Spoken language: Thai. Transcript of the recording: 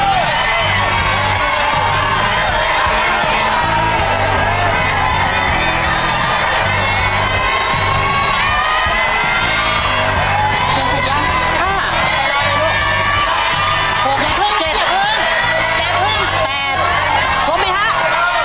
สิบสิบย้ำห้าห้องอีกห้องพี่อย่าเพิ่ม๋แปดครบไหมฮะครบครับ